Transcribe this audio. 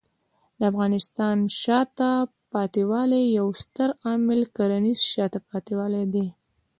د افغانستان د شاته پاتې والي یو ستر عامل کرنېز شاته پاتې والی دی.